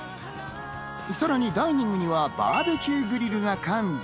さらにダイニングにはバーベキューグリルが完備。